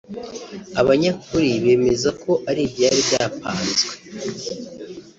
Abanyakuri bemeza ko ari ibyari byapanzwe